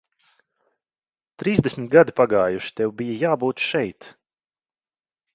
Trīsdesmit gadi pagājuši, tev bija jābūt šeit.